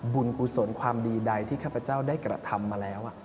กุศลความดีใดที่ข้าพเจ้าได้กระทำมาแล้ว